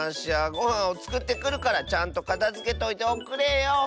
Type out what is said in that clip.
ごはんをつくってくるからちゃんとかたづけといておくれよ。